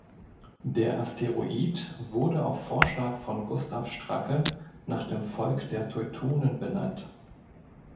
Der Asteroid wurde auf Vorschlag von Gustav Stracke nach dem Volk der Teutonen benannt.